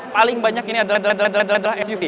paling banyak ini adalah suv